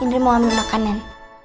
indri mau ambil makanan